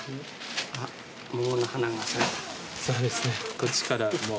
こっちからもう。